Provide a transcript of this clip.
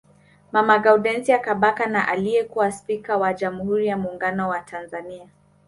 Mama Gaudensia Kabaka na aliyekuwa spika wa jamhuri ya Muungano wa Tanzania